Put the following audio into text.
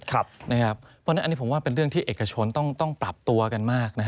เพราะฉะนั้นอันนี้ผมว่าเป็นเรื่องที่เอกชนต้องปรับตัวกันมาก